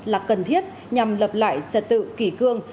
là cần thiết nhằm lập lại trật tự kỷ cương